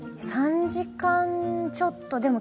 ３時間ちょっとです。